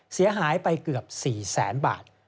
เสียหายไปเกือบ๔๐๐๐๐๐บาท